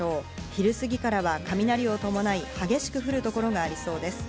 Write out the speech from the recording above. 昼過ぎからは雷を伴い激しく降る所がありそうです。